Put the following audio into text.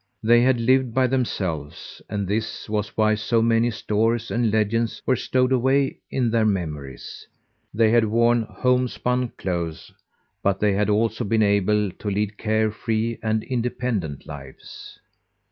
They had lived by themselves, and this was why so many stories and legends were stowed away in their memories. They had worn homespun clothes, but they had also been able to lead care free and independent lives.